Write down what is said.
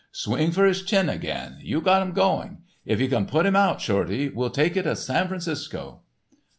Swing for his chin again, you got him going. If you can put him out, Shorty, we'll take you to San Francisco."